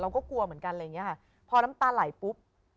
กลัวเหมือนกันอะไรอย่างเงี้ยค่ะพอน้ำตาไหลปุ๊บ